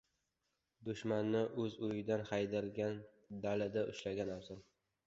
• Dushmanni o‘z uyidan haydagandan dalada ushlagan afzal.